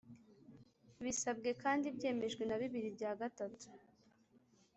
bisabwe kandi byemejwe na bibiri bya gatatu